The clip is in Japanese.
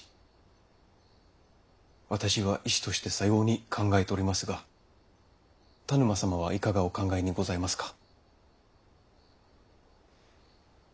私は医師としてさように考えておりますが田沼様はいかがお考えにございますか？